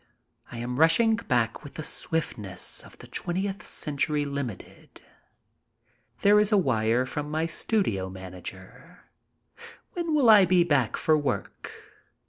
I am rushing back with the swiftness of the Twentieth Century Limited. There is a wire from my studio manager. "When will I be back for work?"